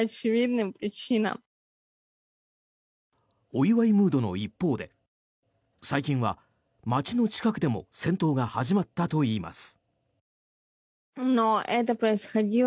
お祝いムードの一方で最近は街の近くでも戦闘が始まったといいます。